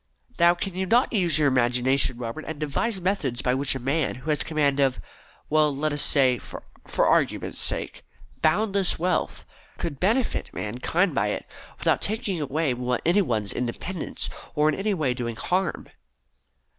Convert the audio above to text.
Now, can you not use your imagination, Robert, and devise methods by which a man who has command of well, let us say, for argument's sake, boundless wealth, could benefit mankind by it, without taking away any one's independence or in any way doing harm?"